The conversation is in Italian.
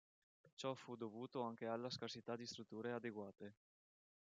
Ciò fu dovuto anche alla scarsità di strutture adeguate.